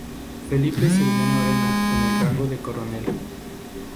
Felipe sirvió en Lorena con el rango de coronel.